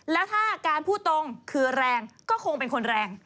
แล้วถ้าการพูดตรงคือแรงก็คงเป็นคนแรง